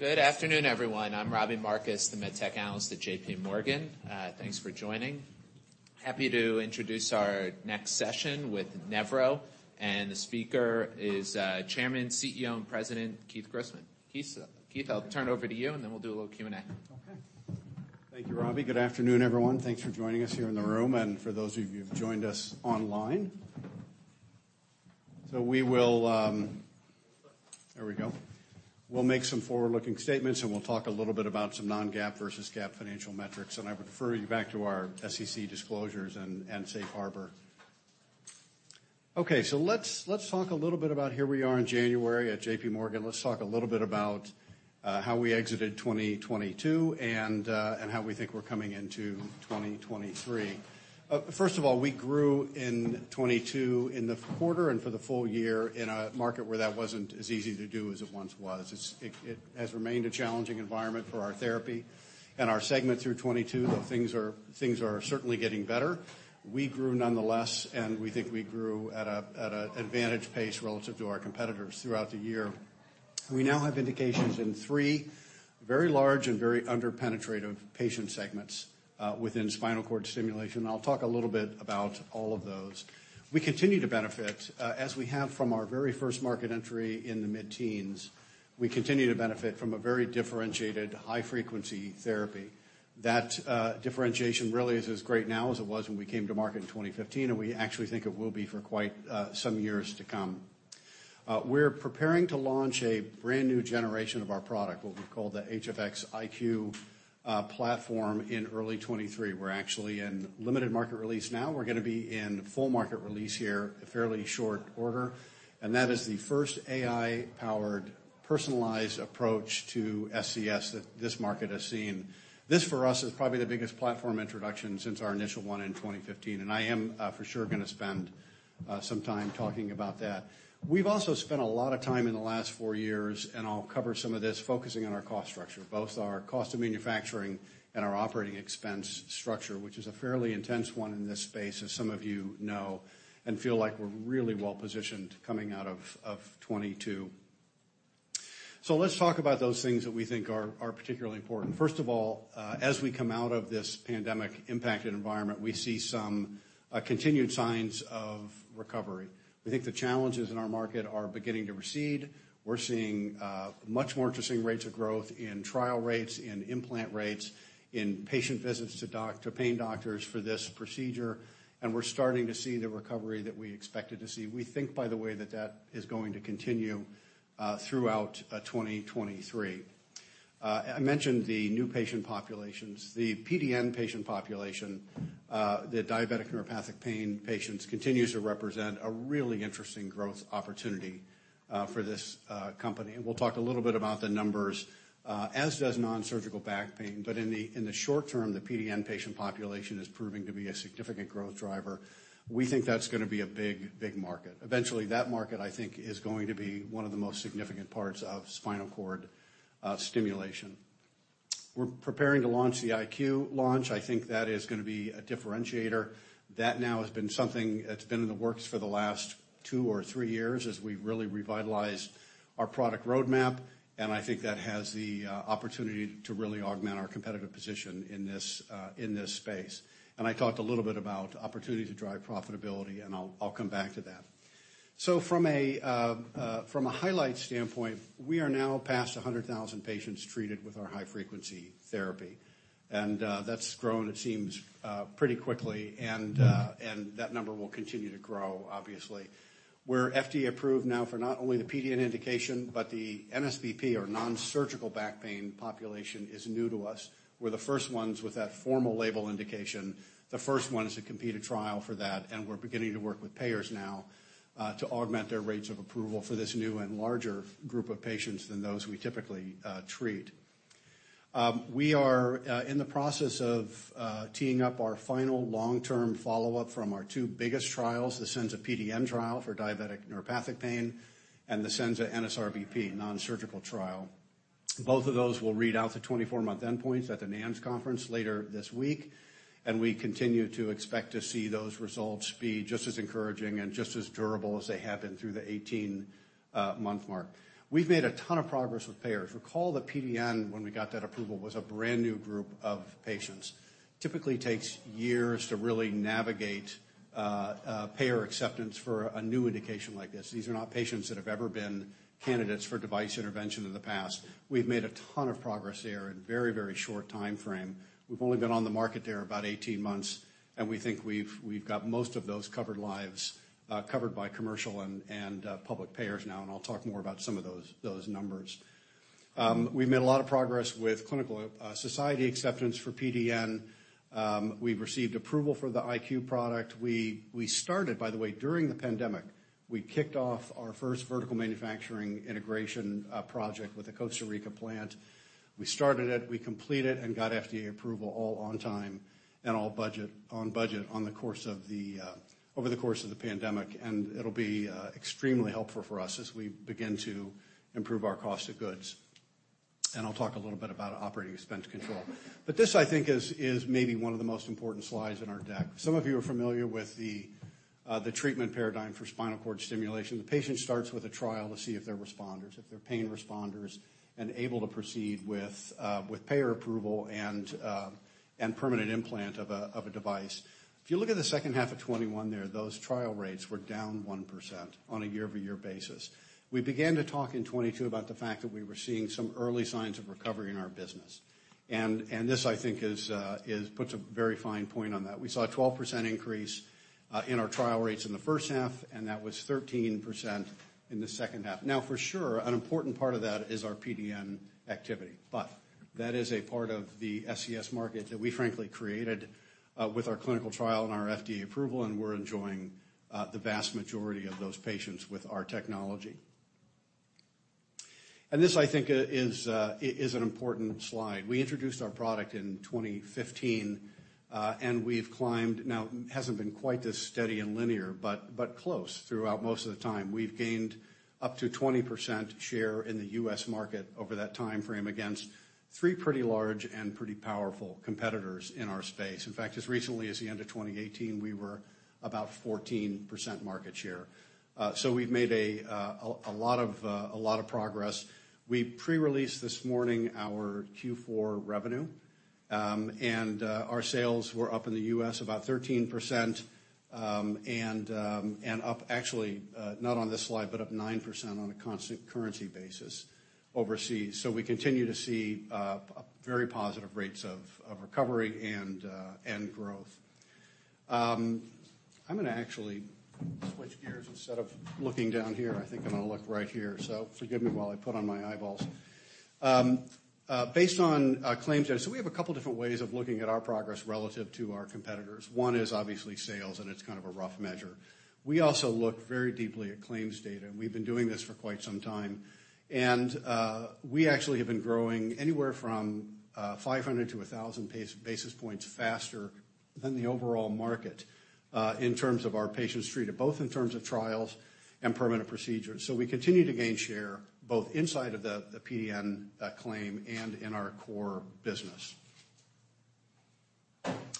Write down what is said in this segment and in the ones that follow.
Good afternoon, everyone. I'm Robbie Marcus, the med tech analyst at J.P. Morgan. Thanks for joining. Happy to introduce our next session with Nevro, and the speaker is Chairman, CEO, and President, Keith Grossman. Keith, I'll turn it over to you, and then we'll do a little Q&A. Okay. Thank you, Robbie. Good afternoon, everyone. Thanks for joining us here in the room and for those of you who've joined us online. We will. There we go. We'll make some forward-looking statements, and we'll talk a little bit about some non-GAAP versus GAAP financial metrics. I would refer you back to our SEC disclosures and safe harbor. Okay. Let's talk a little bit about here we are in January at J.P. Morgan. Let's talk a little bit about how we exited 2022 and how we think we're coming into 2023. First of all, we grew in 22 in the quarter and for the full year in a market where that wasn't as easy to do as it once was. It has remained a challenging environment for our therapy and our segment through 2022, though things are certainly getting better. We grew nonetheless. We think we grew at a advantage pace relative to our competitors throughout the year. We now have indications in 3 very large and very under-penetrative patient segments within spinal cord stimulation. I'll talk a little bit about all of those. We continue to benefit, as we have from our very first market entry in the mid-teens. We continue to benefit from a very differentiated high-frequency therapy. That differentiation really is as great now as it was when we came to market in 2015. We actually think it will be for quite some years to come. We're preparing to launch a brand-new generation of our product, what we call the HFX iQ platform, in early 2023. We're actually in limited market release now. We're gonna be in full market release here in fairly short order, and that is the first AI-powered personalized approach to SCS that this market has seen. This, for us, is probably the biggest platform introduction since our initial one in 2015, and I am for sure gonna spend some time talking about that. We've also spent a lot of time in the last four years, and I'll cover some of this, focusing on our cost structure, both our cost of manufacturing and our operating expense structure, which is a fairly intense one in this space, as some of you know, and feel like we're really well-positioned coming out of 2022. Let's talk about those things that we think are particularly important. First of all, as we come out of this pandemic-impacted environment, we see some continued signs of recovery. We think the challenges in our market are beginning to recede. We're seeing much more interesting rates of growth in trial rates, in implant rates, in patient visits to pain doctors for this procedure, and we're starting to see the recovery that we expected to see. We think, by the way, that that is going to continue throughout 2023. I mentioned the new patient populations. The PDN patient population, the diabetic neuropathic pain patients, continues to represent a really interesting growth opportunity for this company. We'll talk a little bit about the numbers as does nonsurgical back pain. In the short term, the PDN patient population is proving to be a significant growth driver. We think that's gonna be a big market. Eventually, that market, I think, is going to be one of the most significant parts of spinal cord stimulation. We're preparing to launch the iQ launch. I think that is gonna be a differentiator. That now has been something that's been in the works for the last two or three years as we've really revitalized our product roadmap, and I think that has the opportunity to really augment our competitive position in this space. I talked a little bit about opportunity to drive profitability, and I'll come back to that. From a highlight standpoint, we are now past 100,000 patients treated with our high-frequency therapy. That's grown, it seems, pretty quickly, and that number will continue to grow, obviously. We're FDA approved now for not only the PDN indication, but the NSBP or nonsurgical back pain population is new to us. We're the first ones with that formal label indication, the first ones to complete a trial for that, and we're beginning to work with payers now to augment their rates of approval for this new and larger group of patients than those we typically treat. We are in the process of teeing up our final long-term follow-up from our two biggest trials, the Senza PDN trial for diabetic neuropathic pain and the Senza NSRBP nonsurgical trial. Both of those will read out to 24-month endpoints at the NANS conference later this week. We continue to expect to see those results be just as encouraging and just as durable as they have been through the 18-month mark. We've made a ton of progress with payers. Recall that PDN, when we got that approval, was a brand-new group of patients. Typically takes years to really navigate payer acceptance for a new indication like this. These are not patients that have ever been candidates for device intervention in the past. We've made a ton of progress there in a very, very short timeframe. We've only been on the market there about 18 months. We think we've got most of those covered lives covered by commercial and public payers now. I'll talk more about some of those numbers. We've made a lot of progress with clinical society acceptance for PDN. We've received approval for the iQ product. We started, by the way, during the pandemic, we kicked off our first vertical manufacturing integration project with the Costa Rica plant. We started it, we completed and got FDA approval all on time and on budget over the course of the pandemic, and it'll be extremely helpful for us as we begin to improve our cost of goods. I'll talk a little bit about operating expense control. This, I think, is maybe one of the most important slides in our deck. Some of you are familiar with the treatment paradigm for spinal cord stimulation. The patient starts with a trial to see if they're responders, if they're pain responders and able to proceed with payer approval and permanent implant of a device. If you look at the second half of 2021 there, those trial rates were down 1% on a year-over-year basis. We began to talk in 2022 about the fact that we were seeing some early signs of recovery in our business. This, I think, puts a very fine point on that. We saw a 12% increase in our trial rates in the first half, and that was 13% in the second half. Now, for sure, an important part of that is our PDN activity. That is a part of the SCS market that we frankly created, with our clinical trial and our FDA approval, and we're enjoying the vast majority of those patients with our technology. This, I think, is an important slide. We introduced our product in 2015, and we've climbed. Now, it hasn't been quite this steady and linear, but close throughout most of the time. We've gained up to 20% share in the U.S. market over that timeframe against 3 pretty large and pretty powerful competitors in our space. In fact, as recently as the end of 2018, we were about 14% market share. We've made a lot of progress. We pre-released this morning our Q4 revenue, and our sales were up in the U.S. about 13%. Up actually, not on this slide, but up 9% on a constant currency basis overseas. We continue to see very positive rates of recovery and growth. I'm gonna actually switch gears instead of looking down here. I think I'm gonna look right here. Forgive me while I put on my eyeballs. Based on claims data. We have a couple different ways of looking at our progress relative to our competitors. One is obviously sales. It's kind of a rough measure. We also look very deeply at claims data. We've been doing this for quite some time. We actually have been growing anywhere from 500 to 1,000 basis points faster than the overall market in terms of our patients treated, both in terms of trials and permanent procedures. We continue to gain share both inside of the PDN claim and in our core business.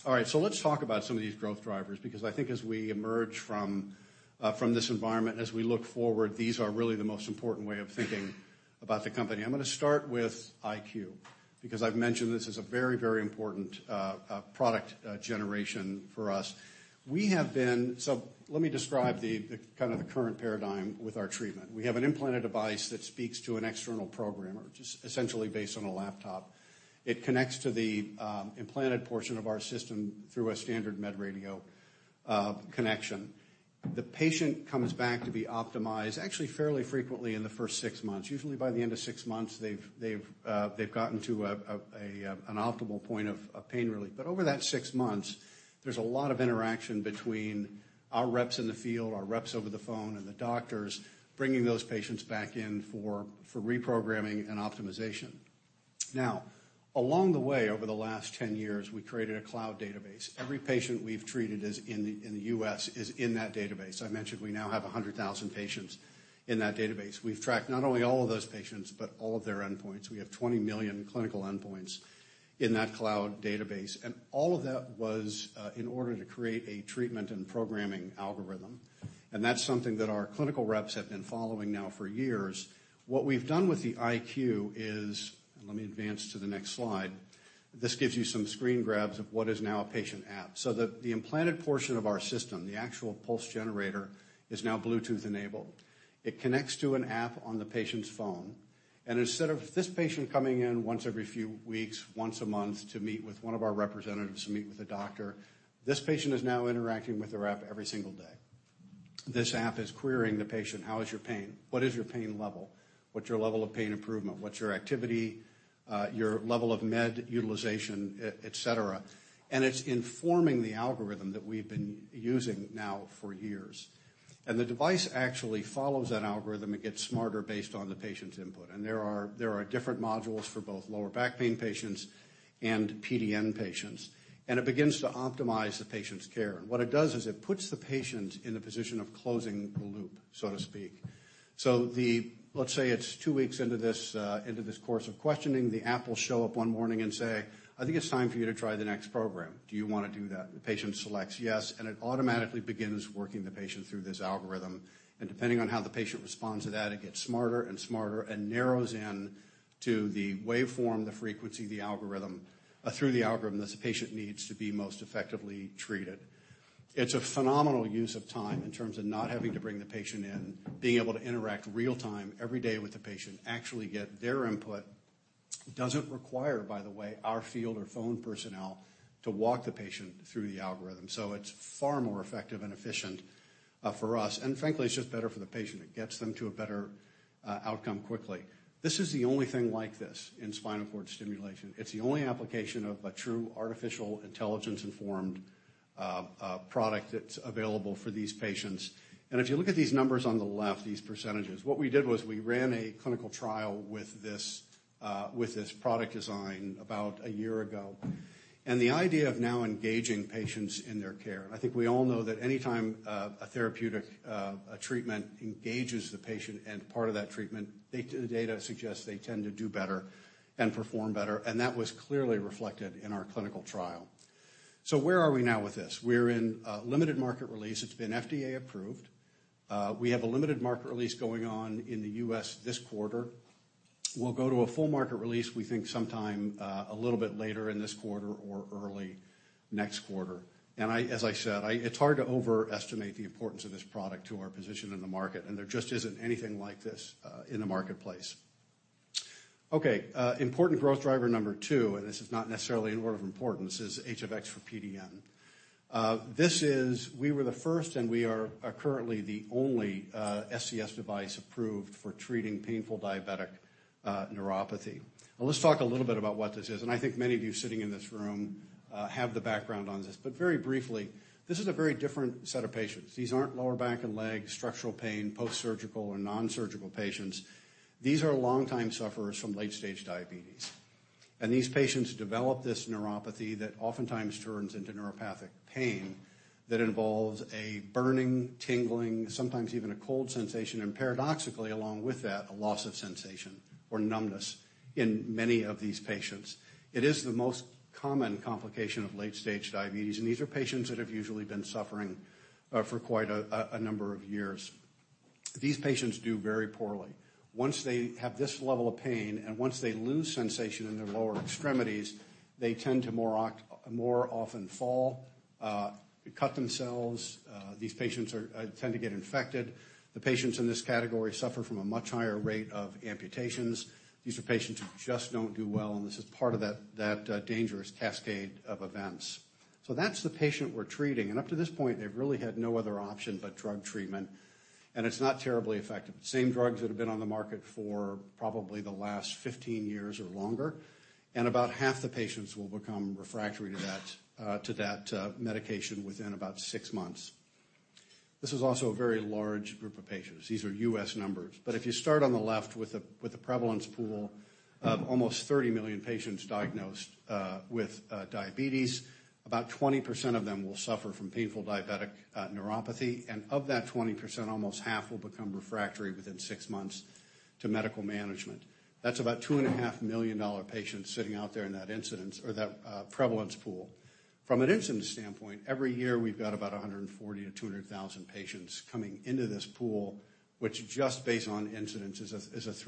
Let's talk about some of these growth drivers because I think as we emerge from this environment, as we look forward, these are really the most important way of thinking about the company. I'm gonna start with iQ because I've mentioned this is a very, very important product generation for us. Let me describe the kind of the current paradigm with our treatment. We have an implanted device that speaks to an external programmer, just essentially based on a laptop. It connects to the implanted portion of our system through a standard MedRadio connection. The patient comes back to be optimized actually fairly frequently in the first six months. Usually, by the end of six months, they've gotten to an optimal point of pain relief. Over that six months, there's a lot of interaction between our reps in the field, our reps over the phone, and the doctors bringing those patients back in for reprogramming and optimization. Along the way, over the last 10 years, we created a cloud database. Every patient we've treated is in the U.S. is in that database. I mentioned we now have 100,000 patients in that database. We've tracked not only all of those patients, but all of their endpoints. We have 20 million clinical endpoints in that cloud database. All of that was in order to create a treatment and programming algorithm. That's something that our clinical reps have been following now for years. What we've done with the IQ. Let me advance to the next slide. This gives you some screen grabs of what is now a patient app. The implanted portion of our system, the actual pulse generator, is now Bluetooth-enabled. It connects to an app on the patient's phone, and instead of this patient coming in once every few weeks, once a month to meet with one of our representatives, to meet with a doctor, this patient is now interacting with the rep every single day. This app is querying the patient, "How is your pain? What is your pain level? What's your level of pain improvement? What's your activity, your level of med utilization, et cetera?" It's informing the algorithm that we've been using now for years. The device actually follows that algorithm. It gets smarter based on the patient's input. There are different modules for both lower back pain patients and PDN patients. It begins to optimize the patient's care. What it does is it puts the patient in the position of closing the loop, so to speak. Let's say it's two weeks into this, into this course of questioning. The app will show up one morning and say, "I think it's time for you to try the next program. Do you wanna do that?" The patient selects yes, and it automatically begins working the patient through this algorithm. Depending on how the patient responds to that, it gets smarter and smarter and narrows in to the waveform, the frequency, the algorithm, through the algorithm that the patient needs to be most effectively treated. It's a phenomenal use of time in terms of not having to bring the patient in, being able to interact real-time every day with the patient, actually get their input. Doesn't require, by the way, our field or phone personnel to walk the patient through the algorithm. It's far more effective and efficient for us. Frankly, it's just better for the patient. It gets them to a better outcome quickly. This is the only thing like this in spinal cord stimulation. It's the only application of a true artificial intelligence-informed product that's available for these patients. If you look at these numbers on the left, these percentages, what we did was we ran a clinical trial with this, with this product design about 1 year ago. The idea of now engaging patients in their care, and I think we all know that any time a therapeutic treatment engages the patient and part of that treatment, the data suggests they tend to do better and perform better, and that was clearly reflected in our clinical trial. Where are we now with this? We're in limited market release. It's been FDA approved. We have a limited market release going on in the US this quarter. We'll go to a full market release, we think sometime a little bit later in this quarter or early next quarter. As I said, it's hard to overestimate the importance of this product to our position in the market, there just isn't anything like this in the marketplace. Important growth driver number two, this is not necessarily an order of importance, is HFX for PDN. We were the first, and we are currently the only SCS device approved for treating Painful Diabetic Neuropathy. Let's talk a little bit about what this is. I think many of you sitting in this room have the background on this. Very briefly, this is a very different set of patients. These aren't lower back and leg structural pain, post-surgical or non-surgical patients. These are longtime sufferers from late-stage diabetes. These patients develop this neuropathy that oftentimes turns into neuropathic pain that involves a burning, tingling, sometimes even a cold sensation, and paradoxically, along with that, a loss of sensation or numbness in many of these patients. It is the most common complication of late-stage diabetes, and these are patients that have usually been suffering for quite a number of years. These patients do very poorly. Once they have this level of pain, and once they lose sensation in their lower extremities, they tend to more often fall, cut themselves. These patients tend to get infected. The patients in this category suffer from a much higher rate of amputations. These are patients who just don't do well, and this is part of that dangerous cascade of events. That's the patient we're treating. Up to this point, they've really had no other option but drug treatment, and it's not terribly effective. Same drugs that have been on the market for probably the last 15 years or longer, and about half the patients will become refractory to that medication within about 6 months. This is also a very large group of patients. These are U.S. numbers. If you start on the left with a prevalence pool of almost 30 million patients diagnosed with diabetes, about 20% of them will suffer from Painful Diabetic Neuropathy. Of that 20%, almost half will become refractory within 6 months to medical management. That's about $2.5 million patients sitting out there in that incidence or that prevalence pool. From an incidence standpoint, every year we've got about 140,000-200,000 patients coming into this pool, which just based on incidence is a $3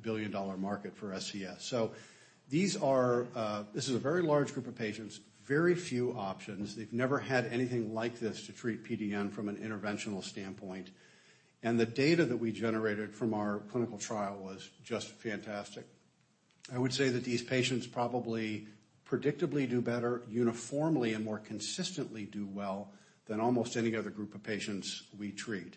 billion-$5 billion market for SCS. These are, this is a very large group of patients, very few options. They've never had anything like this to treat PDN from an interventional standpoint. The data that we generated from our clinical trial was just fantastic. I would say that these patients probably predictably do better uniformly and more consistently do well than almost any other group of patients we treat.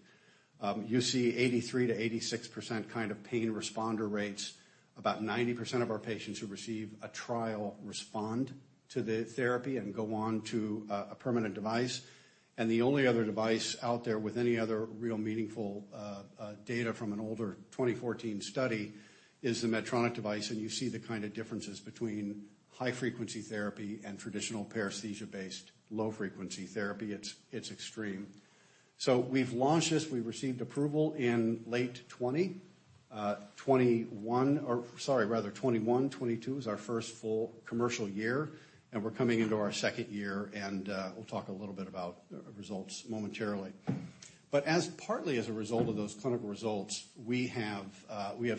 You see 83%-86% kind of pain responder rates. About 90% of our patients who receive a trial respond to the therapy and go on to a permanent device. The only other device out there with any other real meaningful data from an older 2014 study is the Medtronic device, and you see the kinda differences between high-frequency therapy and traditional paresthesia-based low-frequency therapy. It's extreme. We've launched this. We received approval in late 2020. 2021 or sorry, rather 2021, 2022 is our first full commercial year, and we're coming into our second year, and we'll talk a little bit about results momentarily. As partly as a result of those clinical results, we have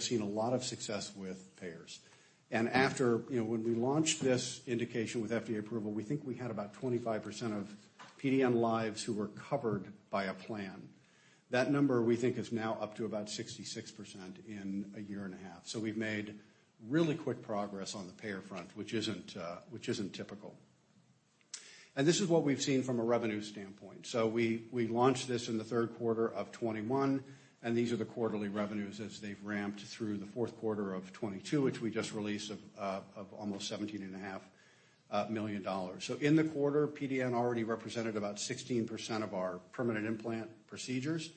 seen a lot of success with payers. After when we launched this indication with FDA approval, we think we had about 25% of PDN lives who were covered by a plan. That number, we think, is now up to about 66% in a year and a half. We've made really quick progress on the payer front, which isn't, which isn't typical. This is what we've seen from a revenue standpoint. We, we launched this in the third quarter of 2021, and these are the quarterly revenues as they've ramped through the fourth quarter of 2022, which we just released of almost seventeen and a half million dollars. In the quarter, PDN already represented about 16% of our permanent implant procedures.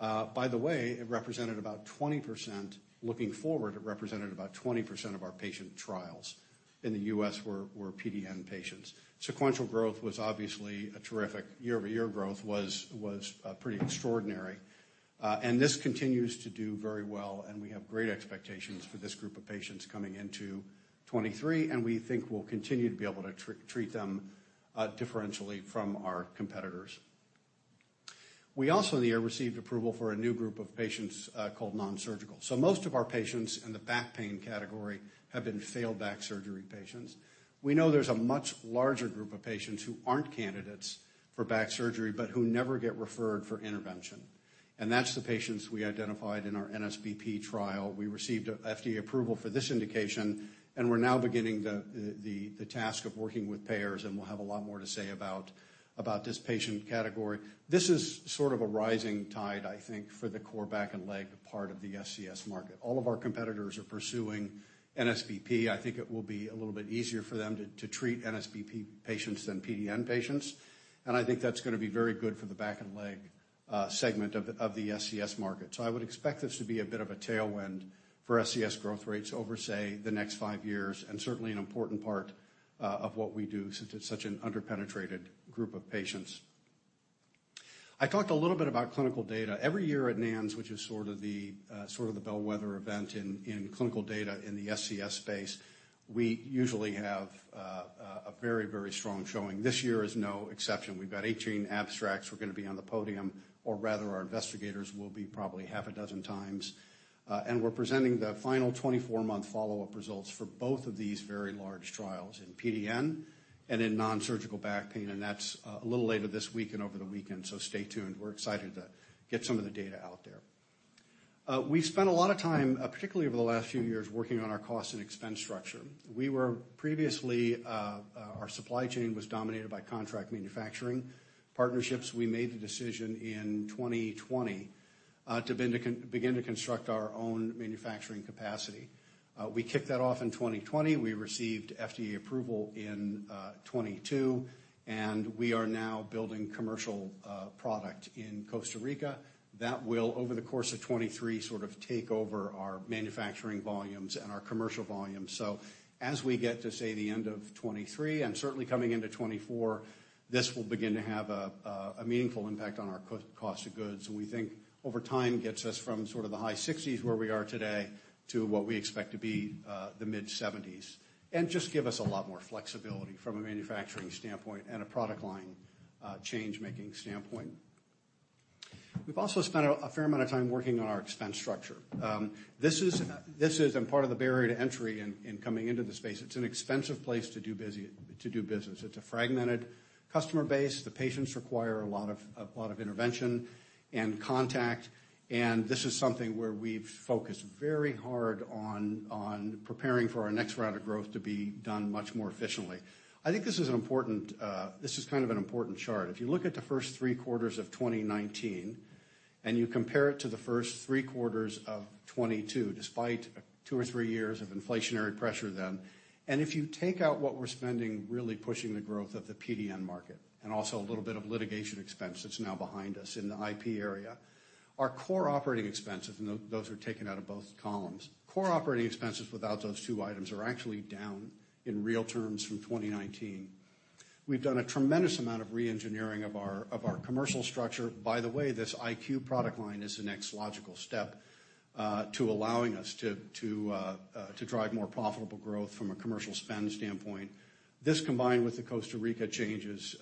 By the way, it represented about 20%. Looking forward, it represented about 20% of our patient trials in the U.S. were PDN patients. Sequential growth was obviously a terrific. Year-over-year growth was pretty extraordinary. This continues to do very well, and we have great expectations for this group of patients coming into 2023, and we think we'll continue to be able to treat them differentially from our competitors. We also in the year received approval for a new group of patients, called non-surgical. Most of our patients in the back pain category have been failed back surgery patients. We know there's a much larger group of patients who aren't candidates for back surgery, but who never get referred for intervention. That's the patients we identified in our NSBP trial. We received a FDA approval for this indication, and we're now beginning the task of working with payers, and we'll have a lot more to say about this patient category. This is sort of a rising tide, I think, for the core back and leg part of the SCS market. All of our competitors are pursuing NSBP. I think it will be a little bit easier for them to treat NSBP patients than PDN patients, and I think that's gonna be very good for the back and leg segment of the SCS market. I would expect this to be a bit of a tailwind for SCS growth rates over, say, the next 5 years, and certainly an important part of what we do since it's such an under-penetrated group of patients. I talked a little bit about clinical data. Every year at NANS, which is sort of the bellwether event in clinical data in the SCS space, we usually have a very strong showing. This year is no exception. We've got 18 abstracts. We're gonna be on the podium, or rather our investigators will be probably half a dozen times. We're presenting the final 24-month follow-up results for both of these very large trials in PDN and in non-surgical back pain, and that's a little later this week and over the weekend. Stay tuned. We're excited to get some of the data out there. We spent a lot of time, particularly over the last few years, working on our cost and expense structure. We were previously, our supply chain was dominated by contract manufacturing partnerships. We made the decision in 2020 to begin to construct our own manufacturing capacity. We kicked that off in 2020. We received FDA approval in 2022, and we are now building commercial product in Costa Rica that will, over the course of 2023, sort of take over our manufacturing volumes and our commercial volumes. As we get to, say, the end of 2023, and certainly coming into 2024, this will begin to have a meaningful impact on our cost of goods, and we think over time, gets us from sort of the high 60s where we are today, to what we expect to be the mid-70s. Just give us a lot more flexibility from a manufacturing standpoint and a product line, change-making standpoint. We've also spent a fair amount of time working on our expense structure. This is part of the barrier to entry in coming into the space. It's an expensive place to do business. It's a fragmented customer base. The patients require a lot of intervention and contact. This is something where we've focused very hard on preparing for our next round of growth to be done much more efficiently. I think this is an important. This is kind of an important chart. If you look at the first three quarters of 2019, you compare it to the first three quarters of 2022, despite two or three years of inflationary pressure then. If you take out what we're spending really pushing the growth of the PDN market and also a little bit of litigation expense that's now behind us in the IP area, our core operating expenses, and those are taken out of both columns. Core operating expenses without those two items are actually down in real terms from 2019. We've done a tremendous amount of re-engineering of our commercial structure. This iQ product line is the next logical step to allowing us to drive more profitable growth from a commercial spend standpoint. This, combined with the Costa Rica changes,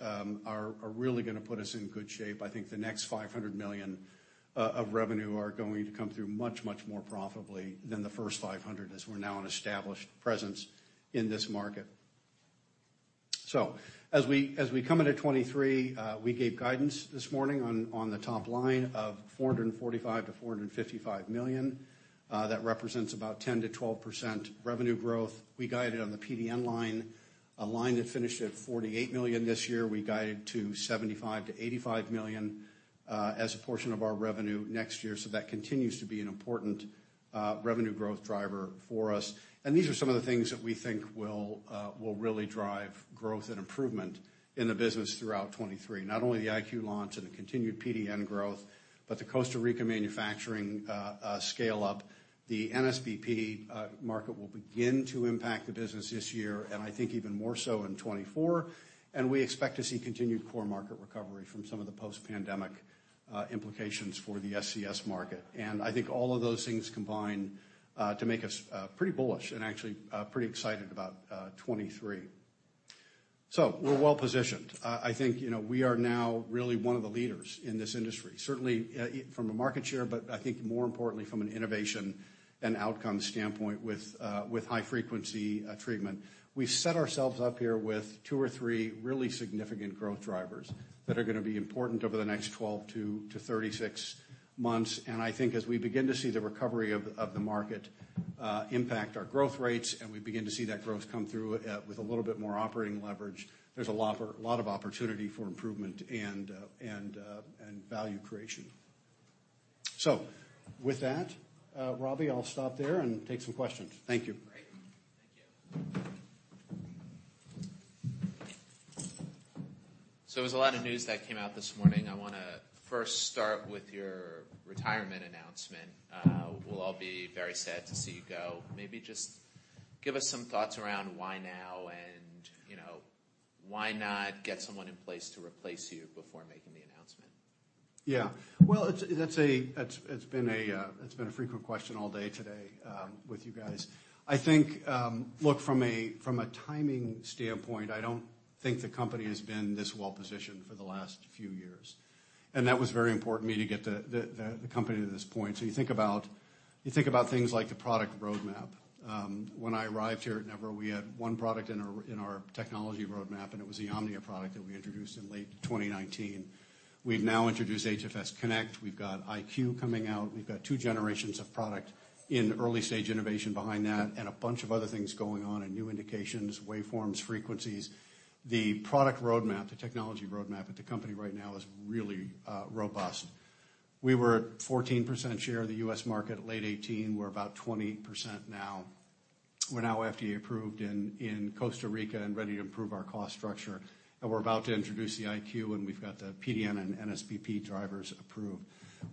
are really gonna put us in good shape. I think the next $500 million of revenue are going to come through much more profitably than the first $500, as we're now an established presence in this market. As we come into 2023, we gave guidance this morning on the top line of $445 million-$455 million. That represents about 10%-12% revenue growth. We guided on the PDN line, a line that finished at $48 million this year. We guided to $75 million-$85 million as a portion of our revenue next year. That continues to be an important revenue growth driver for us. These are some of the things that we think will really drive growth and improvement in the business throughout 2023. Not only the HFX iQ launch and the continued PDN growth, but the Costa Rica manufacturing scaleup. The NSBP market will begin to impact the business this year, and I think even more so in 2024, and we expect to see continued core market recovery from some of the post-pandemic implications for the SCS market. I think all of those things combine to make us pretty bullish and actually pretty excited about 2023. We're well-positioned. I think we are now really one of the leaders in this industry, certainly, from a market share, but I think more importantly from an innovation and outcome standpoint with high-frequency treatment. We've set ourselves up here with 2 or 3 really significant growth drivers that are gonna be important over the next 12 to 36 months, and I think as we begin to see the recovery of the market impact our growth rates, and we begin to see that growth come through with a little bit more operating leverage, there's a lot of opportunity for improvement and and value creation. With that, Robbie, I'll stop there and take some questions. Thank you. Great. Thank you. it was a lot of news that came out this morning. I wanna first start with your retirement announcement. We'll all be very sad to see you go. Maybe just give us some thoughts around why now, and why not get someone in place to replace you before making the announcement? Yeah. Well, it's been a frequent question all day today with you guys. I think, look, from a timing standpoint, I don't think the company has been this well-positioned for the last few years. That was very important to me to get the company to this point. You think about things like the product roadmap. When I arrived here at Nevro, we had one product in our technology roadmap, and it was the Omnia product that we introduced in late 2019. We've now introduced HFX Connect. We've got iQ coming out. We've got two generations of product in early-stage innovation behind that and a bunch of other things going on in new indications, waveforms, frequencies. The product roadmap, the technology roadmap at the company right now is really robust. We were at 14% share of the U.S. market at late 2018. We're about 20% now. We're now FDA approved in Costa Rica and ready to improve our cost structure, and we're about to introduce the IQ, and we've got the PDN and NSBP drivers approved.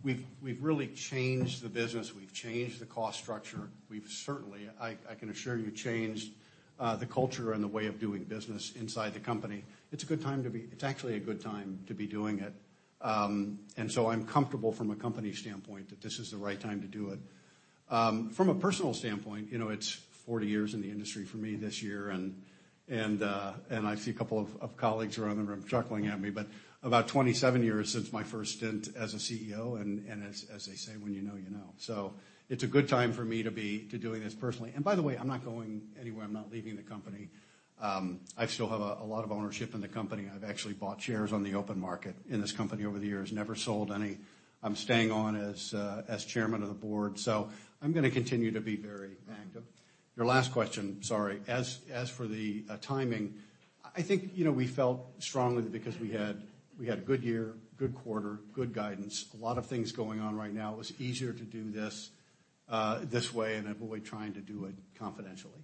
We've really changed the business. We've changed the cost structure. We've certainly, I can assure you, changed the culture and the way of doing business inside the company. It's actually a good time to be doing it. I'm comfortable from a company standpoint that this is the right time to do it. From a personal standpoint it's 40 years in the industry for me this year, and I see a couple of colleagues around the room chuckling at me. About 27 years since my first stint as a CEO, and as they say, when you know, you know. It's a good time for me to doing this personally. By the way, I'm not going anywhere. I'm not leaving the company. I still have a lot of ownership in the company. I've actually bought shares on the open market in this company over the years. Never sold any. I'm staying on as Chairman of the Board. I'm gonna continue to be very active. Your last question, sorry. As for the timing, I think we felt strongly because we had a good year, good quarter, good guidance, a lot of things going on right now. It was easier to do this way and avoid trying to do it confidentially.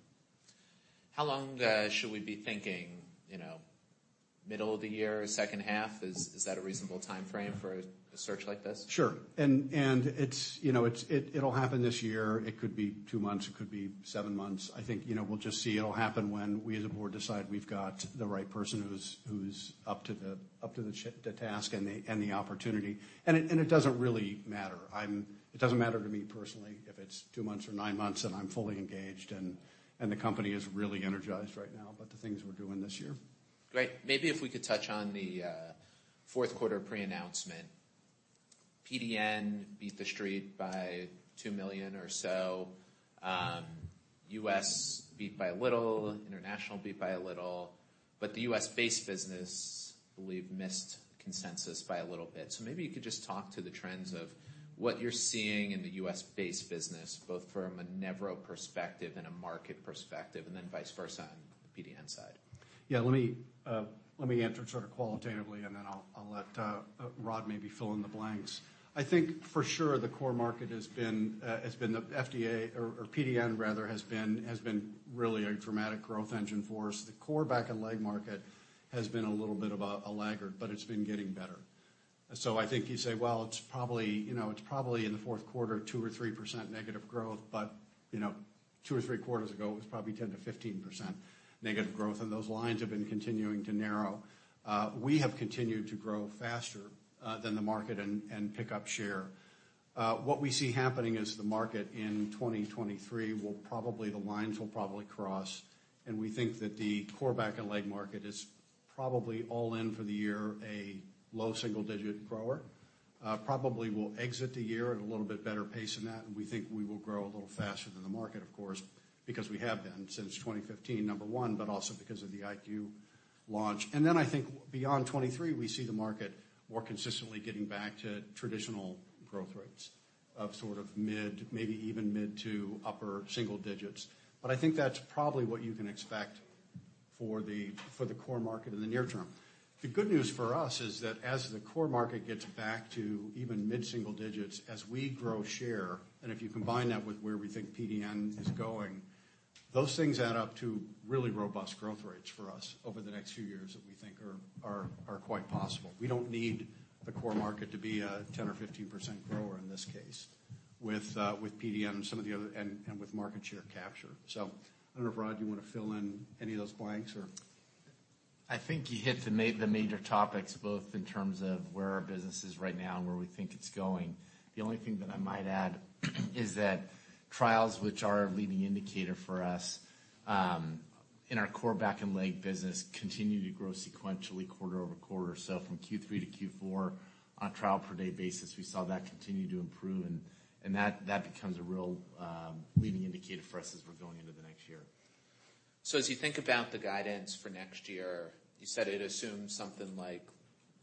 How long should we be thinking middle of the year, second half? Is that a reasonable timeframe for a search like this? Sure. It's it's, it'll happen this year. It could be 2 months. It could be 7 months. I think we'll just see. It'll happen when we as a board decide we've got the right person who's up to the task and the opportunity. It, and it doesn't really matter. It doesn't matter to me personally if it's 2 months or 9 months, and I'm fully engaged, and the company is really energized right now about the things we're doing this year. Great. Maybe if we could touch on the fourth quarter pre-announcement. PDN beat the Street by $2 million or so. U.S. beat by a little. International beat by a little. The U.S.-based business, I believe, missed consensus by a little bit. Maybe you could just talk to the trends of what you're seeing in the U.S.-based business, both from a Nevro perspective and a market perspective, and then vice versa on the PDN side. Yeah. Let me let me answer sort of qualitatively, and then I'll let Rod maybe fill in the blanks. I think for sure the core market has been the FDA or PDN rather has been really a dramatic growth engine for us. The core back and leg market has been a little bit of a laggard, but it's been getting better. I think you say, well, it's probably it's probably in the fourth quarter, 2% or 3% negative growth, but 2 or 3 quarters ago, it was probably 10%-15% negative growth. Those lines have been continuing to narrow. We have continued to grow faster than the market and pick up share. What we see happening is the market in 2023 the lines will probably cross, and we think that the core back and leg market is probably all in for the year, a low single-digit grower. Probably will exit the year at a little bit better pace than that, and we think we will grow a little faster than the market, of course, because we have been since 2015, number 1, but also because of the iQ launch. I think beyond 2023, we see the market more consistently getting back to traditional growth rates of sort of mid, maybe even mid-to-upper single digits. I think that's probably what you can expect for the, for the core market in the near term. The good news for us is that as the core market gets back to even mid-single digits, as we grow share, and if you combine that with where we think PDN is going, those things add up to really robust growth rates for us over the next few years that we think are quite possible. We don't need the core market to be a 10% or 15% grower in this case with PDN, and with market share capture. I don't know if, Rod, you wanna fill in any of those blanks or... I think you hit the major topics, both in terms of where our business is right now and where we think it's going. The only thing that I might add is that trials, which are a leading indicator for us, in our core back and leg business, continue to grow sequentially quarter-over-quarter. From Q3 to Q4 on a trial per day basis, we saw that continue to improve and that becomes a real leading indicator for us as we're going into the next year. As you think about the guidance for next year, you said it assumes something like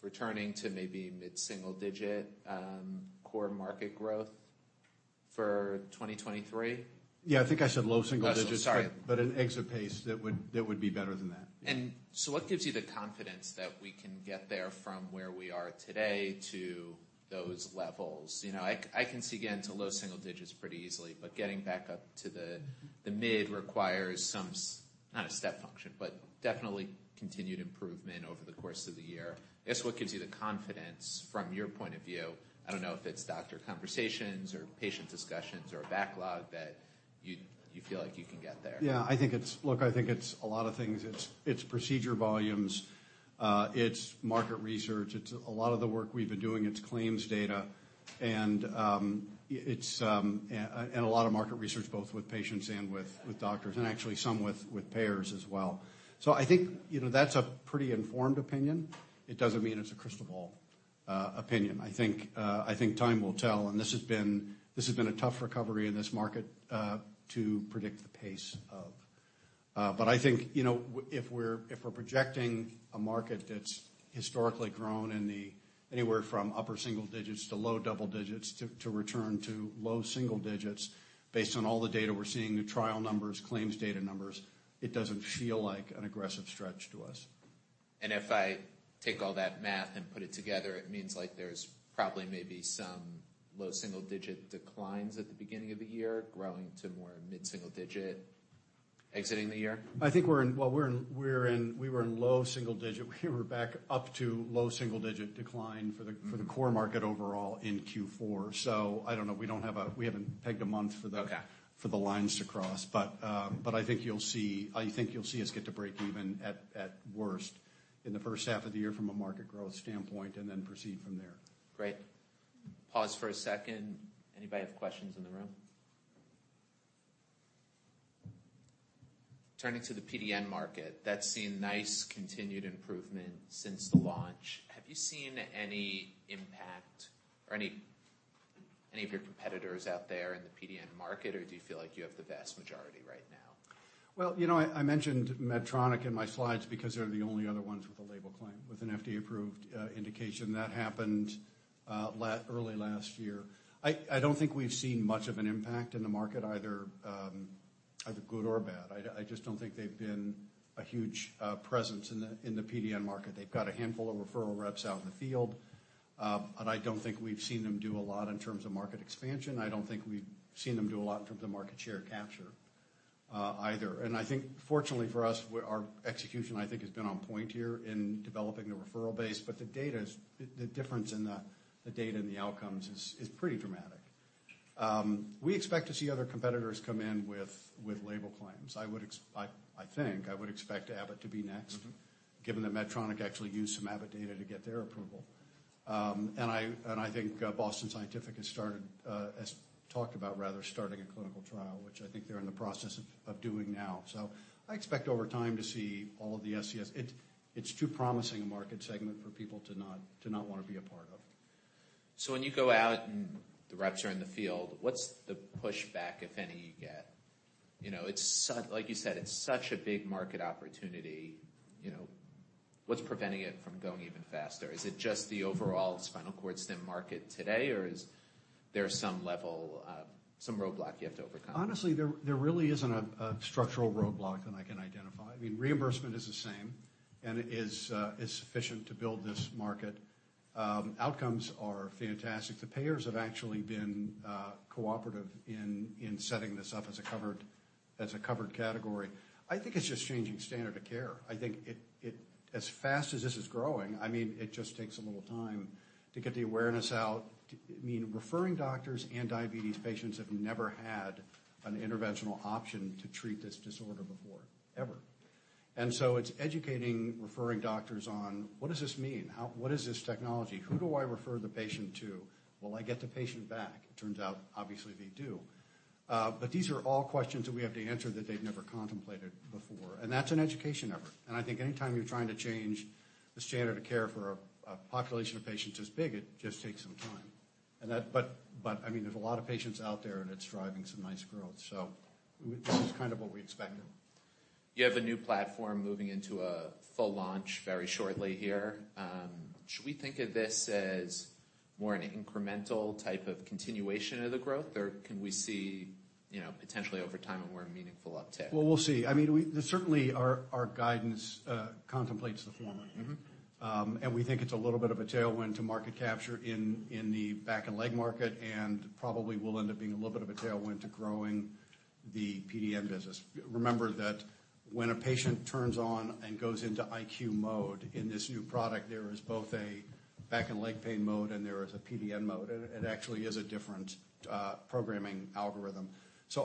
returning to maybe mid-single digit, core market growth for 2023? Yeah. I think I said low single digits. Low single, sorry. an exit pace that would be better than that. What gives you the confidence that we can get there from where we are today to those levels? You know, I can see getting to low single digits pretty easily, but getting back up to the mid requires some not a step function, but definitely continued improvement over the course of the year. I guess, what gives you the confidence from your point of view? I don't know if it's doctor conversations or patient discussions or a backlog that you feel like you can get there. Yeah, I think it's Look, I think it's a lot of things. It's procedure volumes. It's market research. It's a lot of the work we've been doing. It's claims data, and it's a lot of market research, both with patients and with doctors, and actually some with payers as well. I think that's a pretty informed opinion. It doesn't mean it's a crystal ball opinion. I think time will tell, and this has been a tough recovery in this market to predict the pace of. I think if we're projecting a market that's historically grown anywhere from upper single digits to low double digits to return to low single digits based on all the data we're seeing, the trial numbers, claims data numbers, it doesn't feel like an aggressive stretch to us. If I take all that math and put it together, it means, like, there's probably maybe some low single digit declines at the beginning of the year growing to more mid-single digit. Exiting the year? I think we're in. Well, we were in low single digit. We're back up to low single digit decline. Mm-hmm. for the core market overall in Q4. I don't know. We haven't pegged a month for the. Okay. -for the lines to cross. I think you'll see, I think you'll see us get to break even at worst in the first half of the year from a market growth standpoint and then proceed from there. Great. Pause for a second. Anybody have questions in the room? Turning to the PDN market, that's seen nice continued improvement since the launch. Have you seen any impact or any of your competitors out there in the PDN market? Do you feel like you have the vast majority right now? Well I mentioned Medtronic in my slides because they're the only other ones with a label claim, with an FDA-approved indication. That happened early last year. I don't think we've seen much of an impact in the market either good or bad. I just don't think they've been a huge presence in the PDN market. They've got a handful of referral reps out in the field, but I don't think we've seen them do a lot in terms of market expansion. I don't think we've seen them do a lot in terms of market share capture either. I think fortunately for us, our execution, I think, has been on point here in developing the referral base. The data is. The difference in the data and the outcomes is pretty dramatic. We expect to see other competitors come in with label claims. I would expect Abbott to be next. Mm-hmm. given that Medtronic actually used some Abbott data to get their approval. I, and I think Boston Scientific has talked about rather starting a clinical trial, which I think they're in the process of doing now. I expect over time to see all of the SCS. It, it's too promising a market segment for people to not wanna be a part of. When you go out and the reps are in the field, what's the pushback, if any, you get? You know, Like you said, it's such a big market opportunity, you know. What's preventing it from going even faster? Is it just the overall spinal cord stim market today, or is there some level of some roadblock you have to overcome? Honestly, there really isn't a structural roadblock that I can identify. I mean, reimbursement is the same, and it is sufficient to build this market. Outcomes are fantastic. The payers have actually been cooperative in setting this up as a covered category. I think it's just changing standard of care. I think it. As fast as this is growing, I mean, it just takes a little time to get the awareness out. I mean, referring doctors and diabetes patients have never had an interventional option to treat this disorder before, ever. So it's educating referring doctors on, "What does this mean? How? What is this technology? Who do I refer the patient to? Will I get the patient back?" It turns out, obviously, they do. These are all questions that we have to answer that they've never contemplated before, and that's an education effort. I think anytime you're trying to change the standard of care for a population of patients as big, it just takes some time. I mean, there's a lot of patients out there, and it's driving some nice growth. This is kind of what we expected. You have a new platform moving into a full launch very shortly here. Should we think of this as more an incremental type of continuation of the growth, or can we see potentially over time, a more meaningful uptick? Well, we'll see. I mean, Certainly, our guidance contemplates the former. Mm-hmm. We think it's a little bit of a tailwind to market capture in the back and leg market, and probably will end up being a little bit of a tailwind to growing the PDN business. Remember that when a patient turns on and goes into iQ mode in this new product, there is both a back and leg pain mode, and there is a PDN mode. It actually is a different programming algorithm.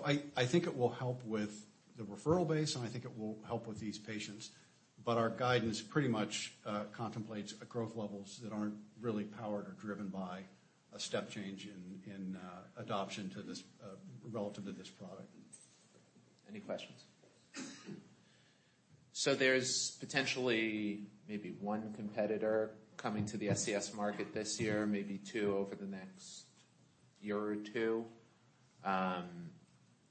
I think it will help with the referral base, and I think it will help with these patients. Our guidance pretty much contemplates growth levels that aren't really powered or driven by a step change in adoption to this relative to this product. Any questions? There's potentially maybe one competitor coming to the SCS market this year, maybe two over the next year or two.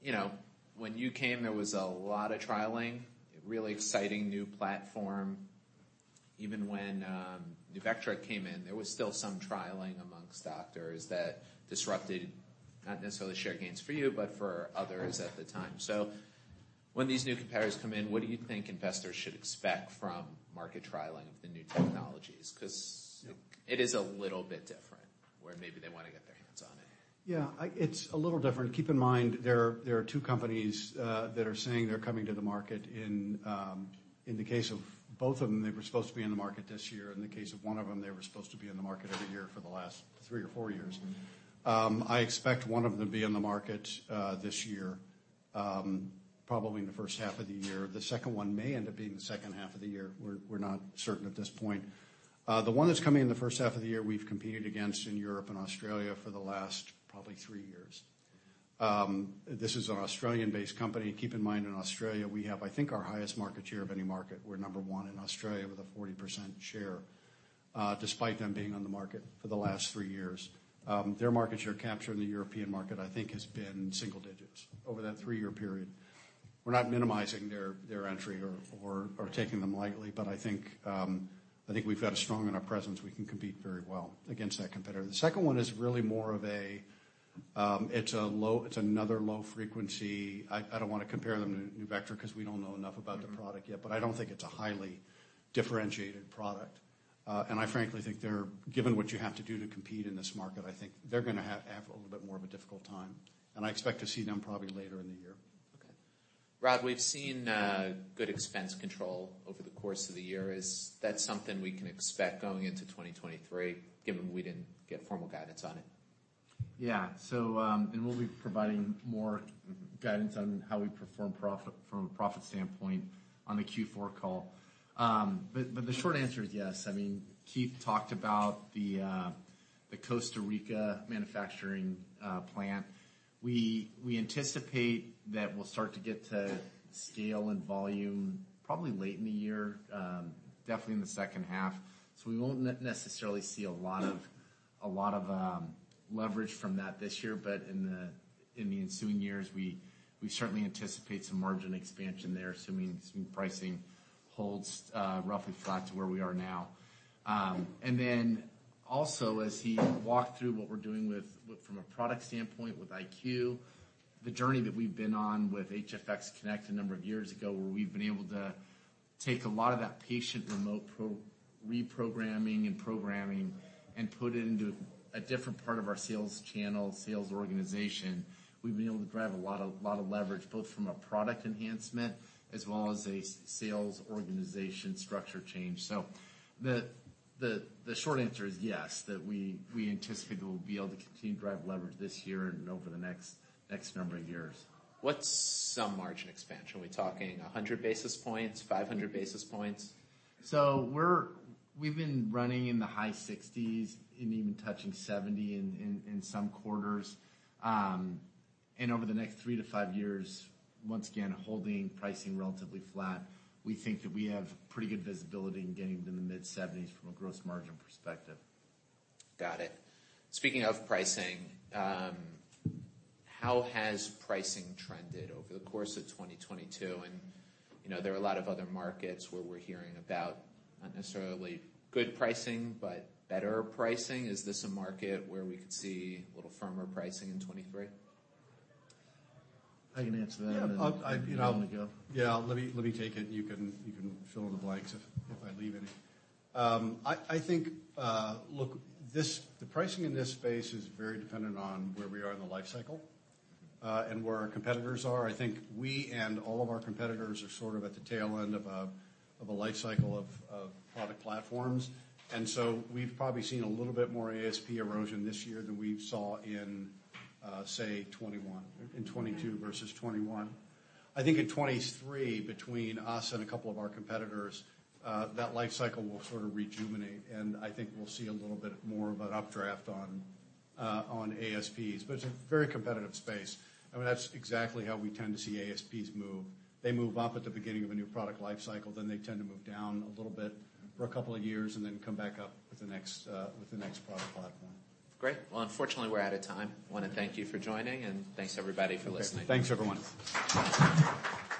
You know, when you came, there was a lot of trialing, a really exciting new platform. Even when NuVectra came in, there was still some trialing amongst doctors that disrupted, not necessarily share gains for you, but for others at the time. When these new competitors come in, what do you think investors should expect from market trialing of the new technologies? Yeah. It is a little bit different where maybe they wanna get their hands on it. Yeah. It's a little different. Keep in mind, there are two companies that are saying they're coming to the market in the case of both of them, they were supposed to be in the market this year. In the case of one of them, they were supposed to be in the market every year for the last three or four years. Mm-hmm. I expect 1 of them to be in the market this year, probably in the first half of the year. The second 1 may end up being the second half of the year. We're not certain at this point. The 1 that's coming in the first half of the year, we've competed against in Europe and Australia for the last probably 3 years. This is an Australian-based company. Keep in mind, in Australia, we have, I think, our highest market share of any market. We're number 1 in Australia with a 40% share, despite them being on the market for the last 3 years. Their market share capture in the European market, I think, has been single digits over that 3-year period. We're not minimizing their entry or taking them lightly. I think we've got a strong enough presence. We can compete very well against that competitor. The second one is really more of another low frequency. I don't wanna compare them to NuVectra 'cause we don't know enough about the product yet. Mm-hmm. I don't think it's a highly differentiated product. I frankly think Given what you have to do to compete in this market, I think they're gonna have a little bit more of a difficult time, and I expect to see them probably later in the year. Okay. Rod, we've seen good expense control over the course of the year. Is that something we can expect going into 2023, given we didn't get formal guidance on it? Yeah. We'll be providing more guidance on how we perform from a profit standpoint on the Q4 call. The short answer is yes. I mean, Keith talked about the Costa Rica manufacturing plant. We anticipate that we'll start to get to scale and volume probably late in the year, definitely in the second half. We won't necessarily see a lot of leverage from that this year. In the ensuing years, we certainly anticipate some margin expansion there, assuming pricing holds roughly flat to where we are now. Also, as he walked through what we're doing from a product standpoint with IQ, the journey that we've been on with HFX Connect a number of years ago, where we've been able to take a lot of that patient remote reprogramming and programming and put it into a different part of our sales channel, sales organization. We've been able to drive a lot of leverage, both from a product enhancement as well as a sales organization structure change. The short answer is yes, that we anticipate that we'll be able to continue to drive leverage this year and over the next number of years. What's some margin expansion? Are we talking 100 basis points, 500 basis points? We've been running in the high 60s and even touching 70 in some quarters. Over the next 3 to 5 years, once again, holding pricing relatively flat, we think that we have pretty good visibility in getting to the mid-70s from a gross margin perspective. Got it. Speaking of pricing, how has pricing trended over the course of 2022? You know, there are a lot of other markets where we're hearing about, not necessarily good pricing, but better pricing. Is this a market where we could see a little firmer pricing in 2023? I can answer that. Yeah. I'll. You want me to go. Yeah, let me take it, and you can fill in the blanks if I leave any. I think, look, the pricing in this space is very dependent on where we are in the life cycle, and where our competitors are. I think we and all of our competitors are sort of at the tail end of a life cycle of product platforms. We've probably seen a little bit more ASP erosion this year than we saw in, say 21. In 22 versus 21. I think in 23, between us and a couple of our competitors, that life cycle will sort of rejuvenate, and I think we'll see a little bit more of an updraft on ASPs. It's a very competitive space. I mean, that's exactly how we tend to see ASPs move. They move up at the beginning of a new product life cycle, then they tend to move down a little bit for a couple of years and then come back up with the next, with the next product platform. Great. Well, unfortunately, we're out of time. Wanna thank you for joining, and thanks everybody for listening. Okay. Thanks, everyone.